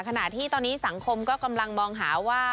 ขณะที่ตอนนี้สังคมก็กำลังมองหาว่า